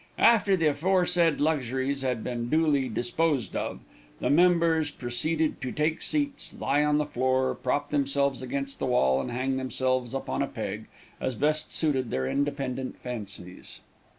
After the aforesaid luxuries had been duly disposed of, the members proceeded to take seats, lie on the floor, prop themselves against the wall, and hang themselves up on a peg, as best suited their independent fancies.